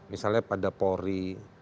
misalnya pada polri